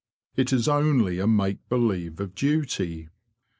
It is only a make believe of duty.